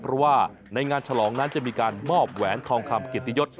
เพราะว่าในงานฉลองนั้นจะมีการมอบแหวนทองคำเกียรติยศ